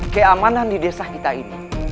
keamanan di desa kita ini